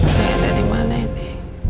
saya ada dimana ini